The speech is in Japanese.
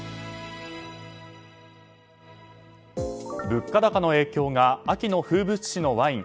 物価高の影響が秋の風物詩のワイン